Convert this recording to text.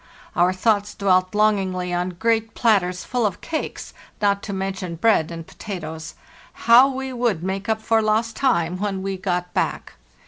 Our thoughts dwelt longingly on great platters full of cakes, not to mention bread and potatoes. How we would make up for lost time when we got back!